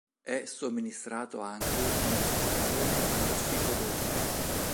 È somministrato anche in associazione all'ossicodone.